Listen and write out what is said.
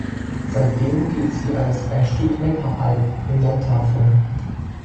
Seitdem gilt sie als „ein Stück Neckar-Alb im Montafon“.